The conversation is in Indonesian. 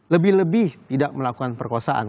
lebih lebih tidak melakukan perkosaan